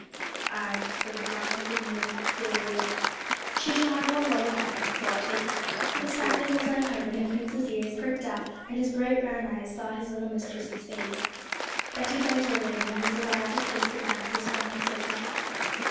'Ay,' said the farmer, giving nurse a peculiar look, 'she shall have one more look at him, before I take him!' The sacking was uncovered, and Prince's ears pricked up and his bright brown eyes sought his little mistress's face. Betty bent over him, and was allowed to kiss the back of his brown silky head.